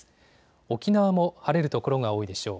沖縄も晴れる所が多いでしょう。